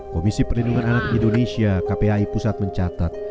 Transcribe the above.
komisi perlindungan anak indonesia kpai pusat mencatat